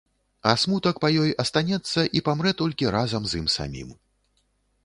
А смутак па ёй астанецца і памрэ толькі разам з ім самім.